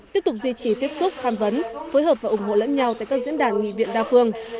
tiếp tục duy trì tiếp xúc tham vấn phối hợp và ủng hộ lẫn nhau tại các diễn đàn nghị viện đa phương